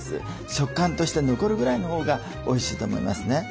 食感として残るぐらいのほうがおいしいと思いますね。